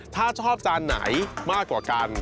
ถ้าชอบจานไหนมากกว่ากัน